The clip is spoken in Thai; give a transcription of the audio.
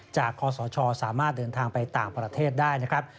คศสามารถเดินทางไปต่างประเทศได้นะครับ